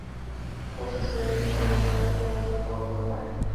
Assan named them according to where he was when they were born.